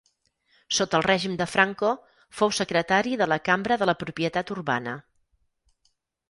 Sota el règim de Franco fou secretari de la Cambra de la Propietat Urbana.